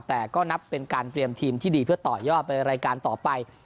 แต่ก็นับเป็นการเตรียมทีมที่ดีเพื่อต่อยอดไปรายการต่อไป